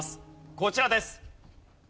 こちらです。